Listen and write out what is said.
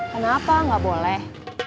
kenapa gak boleh